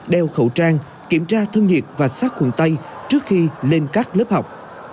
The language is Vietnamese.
đeo khẩu trang kiểm tra thương nhiệt và sát khuẩn tay trước khi lên các lớp học